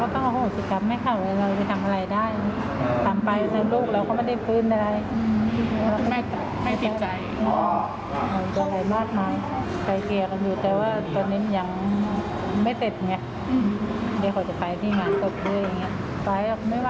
ถ้าบอกว่าผิดไปแล้วก็ขอบโทษทั่วไปนะ